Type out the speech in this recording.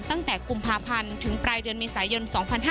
ตั้งแต่กุมภาพันธ์ถึงปลายเดือนเมษายน๒๕๕๙